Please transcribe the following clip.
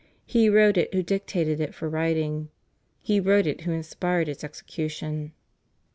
He wrote it who dictated it for writing; He wrote it who inspired its execution."